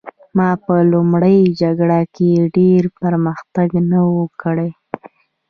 ما په لومړۍ جګړه کې ډېر پرمختګ نه و کړی